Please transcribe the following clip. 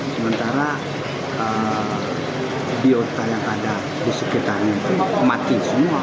sementara biota yang ada di sekitarnya itu mati semua